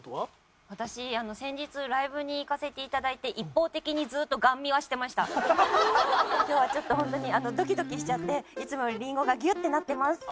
私先日ライブに行かせて頂いて今日はちょっとホントにドキドキしちゃっていつもよりりんごがギュッてなってます。